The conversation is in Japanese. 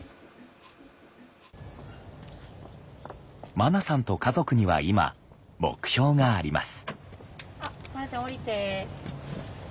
まなさんと家族には今目標があります。